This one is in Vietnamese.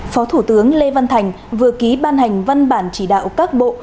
phó thủ tướng lê văn thành vừa ký ban hành văn bản chỉ đạo các bộ